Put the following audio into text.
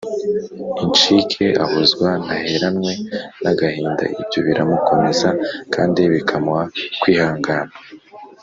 incike ahozwa ntaheranwe n agahinda Ibyo biramukomeza kandi bikamuha kwihangana